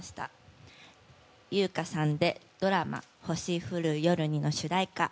由薫さんでドラマ「星降る夜に」の主題歌